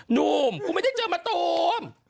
หนุ่มกูไม่ได้เจอมะตูม